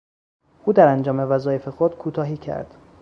او در انجام وظایف خود کوتاهی کرد.